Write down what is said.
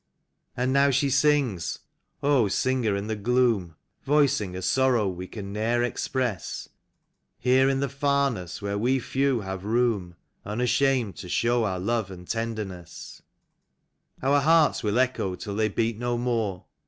And now she sings. (0 singer in the gloom, Voicing a sorrow we can ne'er express, Here in the Farness where we few have room Unshamed to show our love and tenderness, Our hearts will echo, till they beat no more.